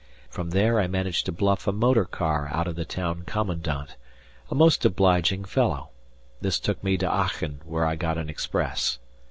From there I managed to bluff a motor car out of the town commandant a most obliging fellow. This took me to Aachen where I got an express.